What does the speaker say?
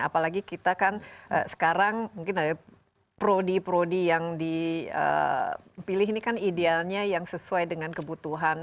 apalagi kita kan sekarang mungkin ada prodi prodi yang dipilih ini kan idealnya yang sesuai dengan kebutuhan